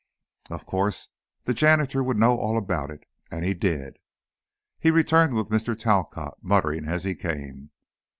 Of course, the janitor would know all about it; and he did. He returned with Mr. Talcott, muttering as he came.